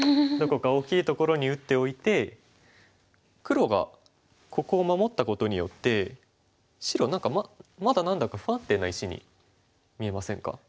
どこか大きいところに打っておいて黒がここを守ったことによって白何かまだ何だか不安定な石に見えませんか？